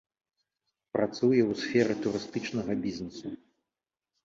Працуе ў сферы турыстычнага бізнесу.